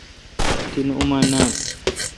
تین اوما ناین۔